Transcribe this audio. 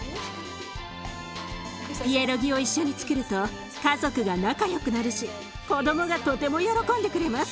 ピエロギを一緒につくると家族が仲良くなるし子どもがとても喜んでくれます。